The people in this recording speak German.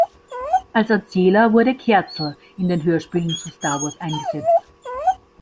Als Erzähler wurde Kerzel in den Hörspielen zu "Star Wars" eingesetzt.